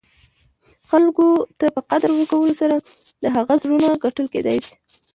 خلګو ته په قدر ورکولو سره، د هغه زړونه ګټل کېداى سي.